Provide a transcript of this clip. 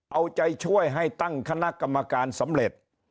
เอาใจช่วยให้ตั้งคณะกรรมการสำเร็จ